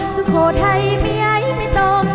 สุโขไทยมีอายุไม่ตก